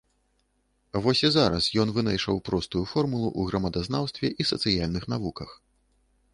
Вось і зараз ён вынайшаў простую формулу ў грамадазнаўстве і сацыяльных навуках.